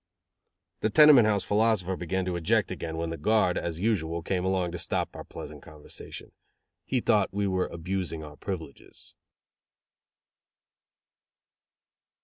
The tenement house philosopher began to object again, when the guard, as usual, came along to stop our pleasant conversation. He thought we were abusing our privileges.